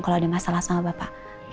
kalau ada masalah sama bapak